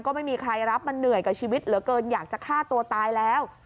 ก็ไม่มีใครรับมันเหนื่อยกับชีวิตเหลือเกินอยากจะฆ่าตัวตายแล้ว